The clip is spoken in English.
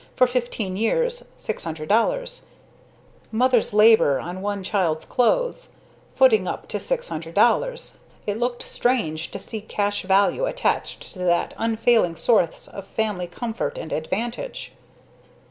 For fifteen years, $600.00. Mother's labor on one child's, clothes footing up to $600.00. It looked strange to see cash value attached to that unfailing source of family comfort and advantage.